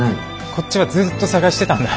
こっちはずっと捜してたんだ。